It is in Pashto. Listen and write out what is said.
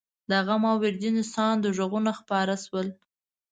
د غم او ويرجنې ساندو غږونه خپاره شول.